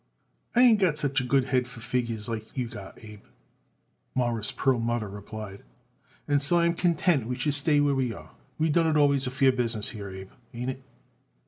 "I ain't got such a good head for figures like you got it, Abe," Morris Perlmutter replied, "and so I am content we should stay where we are. We done it always a fair business here, Abe. Ain't it?"